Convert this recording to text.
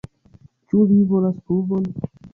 Ĉu vi volas pruvon?